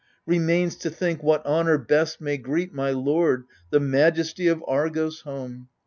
Remains to think what honour best may greet My lord, the majesty of Argos, home.